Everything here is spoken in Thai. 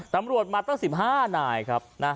ตำรวจมาตั้ง๑๕นายครับ